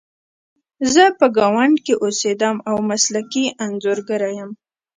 زه په ګاونډ کې اوسیدم او مسلکي انځورګره یم